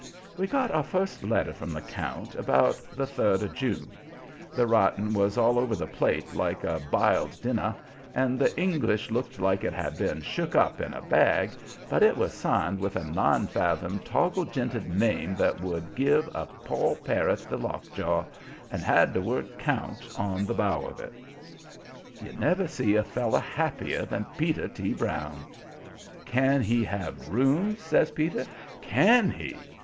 We got our first letter from the count about the third of June. The writing was all over the plate like a biled dinner, and the English looked like it had been shook up in a bag, but it was signed with a nine fathom, toggle jinted name that would give a pollparrot the lockjaw, and had the word "Count" on the bow of it. You never see a feller happier than Peter T. Brown. "Can he have rooms?" says Peter. "CAN he?